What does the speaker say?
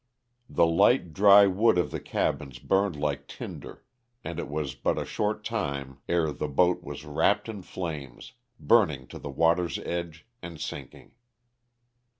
The light, dry wood of the cabins burned like tinder and it was but a short time ere the boat was wrapped in flames, burning to the water's edge and sinking.